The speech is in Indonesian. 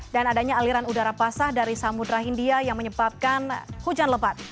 dan adanya aliran udara basah dari samudera india yang menyebabkan hujan lebat